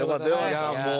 いやもう。